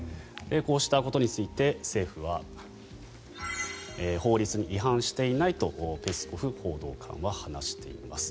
こうしたことについて、政府は法律に違反していないとペスコフ報道官は話しています。